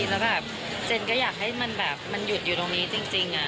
แล้วแบบเจนก็อยากให้มันแบบมันหยุดอยู่ตรงนี้จริง